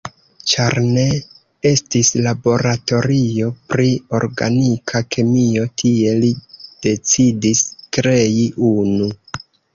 Ĉar ne estis laboratorio pri Organika Kemio tie, li decidis krei unu.